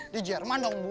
di jerman dong ibu